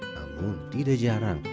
namun tidak jarang